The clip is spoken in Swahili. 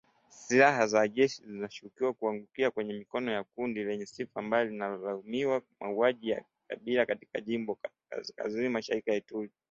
Silaha za jeshi zinashukiwa kuangukia kwenye mikono ya kundi lenye sifa mbaya linalolaumiwa kwa mauaji ya kikabila katika jimbo la kaskazini-mashariki la Ituri.